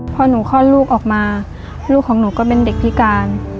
พอหนูคลอดลูกออกมาลูกของหนูก็เป็นเด็กพิการ